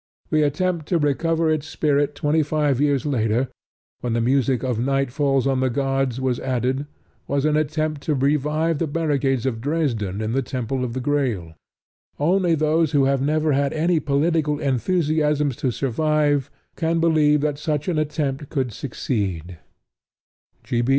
The attempt to recover its spirit twenty years later, when the music of Night Falls On The Gods was added, was an attempt to revive the barricades of Dresden in the Temple of the Grail. Only those who have never had any political enthusiasms to survive can believe that such an attempt could succeed.